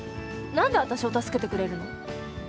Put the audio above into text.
何で私を助けてくれるの？